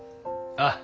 ああ。